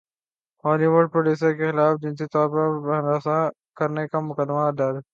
Holi would producer کےخلاف جنسی طور پر ہراساں کرنے کا مقدمہ درج